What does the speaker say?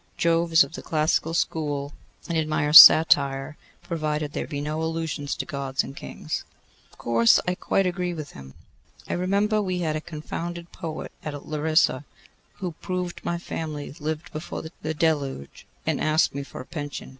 Jove is of the classical school, and admires satire, provided there be no allusions to Gods and kings.' 'Of course; I quite agree with him. I remember we had a confounded poet at Larissa who proved my family lived before the deluge, and asked me for a pension.